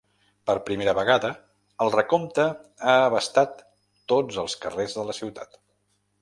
Per primera vegada, el recompte ha abastat tots els carrers de la ciutat.